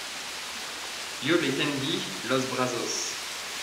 yo le tendí los brazos.